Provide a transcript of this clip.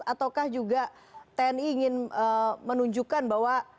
ataukah juga tni ingin menunjukkan bahwa